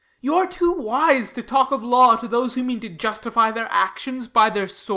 You are Too wise to talk of law to those who mean To justify their actions by their swords.